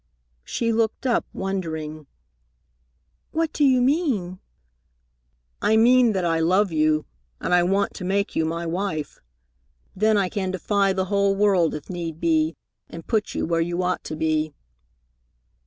She looked up, wondering. "What do you mean?" "I mean that I love you, and I want to make you my wife. Then I can defy the whole world if need be, and put you where you ought to be."